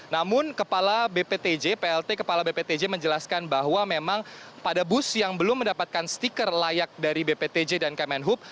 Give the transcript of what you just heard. namun kepala bptj plt kepala bptj menjelaskan bahwa memang pada bus yang belum mendapatkan stiker layak dari bptj dan kemenhub